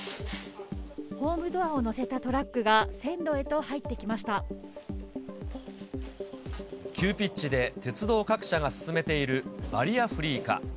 ホームドアを載せたトラックが、急ピッチで鉄道各社が進めているバリアフリー化。